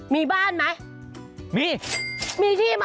มีบ้านไหม